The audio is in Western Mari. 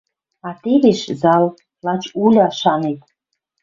А тевеш — зал. Лач уля, шанет.